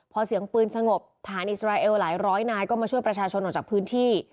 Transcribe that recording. พอเสียงปืนสงบทหารอิสราเอลหลายร้อยนายก็มาช่วยประชาชนออกจากพื้นที่